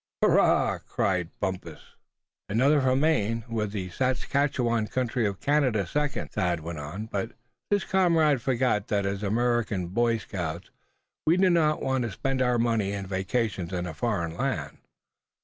"Hurrah!" cried Bumpus. "Another for Maine, with the Saskatchewan country of Canada second," Thad went on; "but this comrade forgot that as American Boy Scouts we do not want to spend our money and vacations in a foreign land."